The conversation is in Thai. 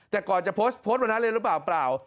แต่ก่อนจะโพสต์โพสต์วันนั้นเลยหรือเปล่าเปล่า